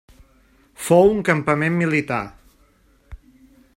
Fou un campament militar.